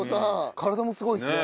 体もすごいですね。